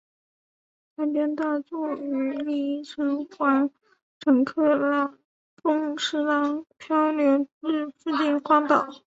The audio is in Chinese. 草间大作与另一生还乘客岚十郎漂流至附近荒岛。